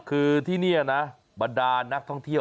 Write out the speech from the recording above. คือที่นี่นะบรรดานักท่องเที่ยว